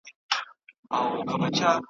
کله کله به لا سر سو په رمباړو .